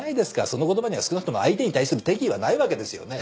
その言葉には少なくても相手に対する敵意はないわけですよね。